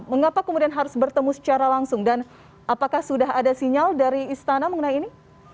mengapa kemudian harus bertemu secara langsung dan apakah sudah ada sinyal dari istana mengenai ini